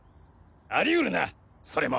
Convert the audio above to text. ありうるなそれも！